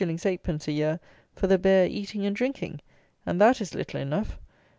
_ a year for the bare eating and drinking; and that is little enough.